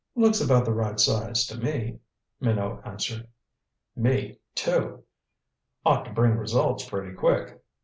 "Looks about the right size to me," Minot answered. "Me, too. Ought to bring results pretty quick.